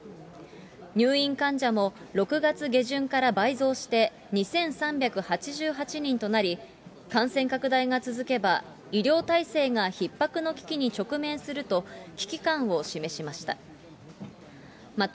入院患者も６月下旬から倍増して、２３８８人となり、感染拡大が続けば、医療体制がひっ迫の危機に直面すると、危機感を示しました。